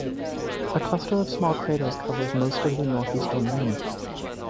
A cluster of small craters covers most of the northeastern rim.